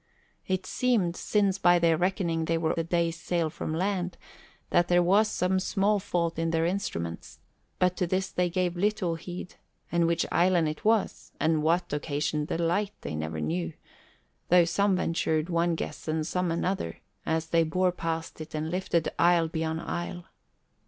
It seemed, since by their reckoning they were still a day's sail from land, that there was some small fault in their instruments; but to this they gave little heed, and which island it was and what occasioned the light they never knew, though some ventured one guess and some another as they bore past it and lifted isle beyond isle.